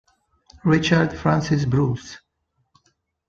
Richard Francis-Bruce